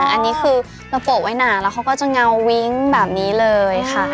อันนี้คือเราโปะไว้หนาแล้วเขาก็จะเงาวิ้งแบบนี้เลยค่ะ